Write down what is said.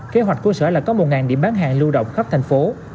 kế hoạch của sở là có một điểm bán hàng lưu động khắp thành phố